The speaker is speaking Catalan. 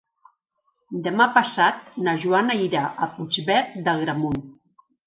Demà passat na Joana irà a Puigverd d'Agramunt.